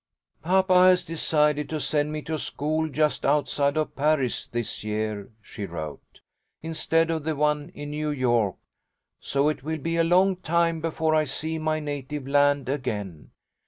"Papa has decided to send me to a school just outside of Paris this year," she wrote, "instead of the one in New York, so it will be a long time before I see my native land again.